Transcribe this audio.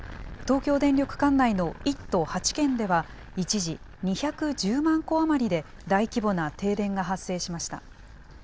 東京電力管内の１都８県では、一時、２１０万戸余りで大規模な停電が発生しました。